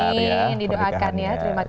yang didoakan ya terima kasih